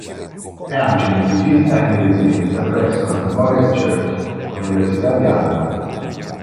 È anche musicista in residenza presso la Memorial Church, Università di Harvard.